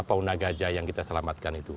fauna gajah yang kita selamatkan itu